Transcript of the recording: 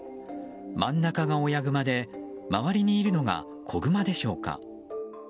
真ん中が親グマで周りにいるのが子グマでしょうか。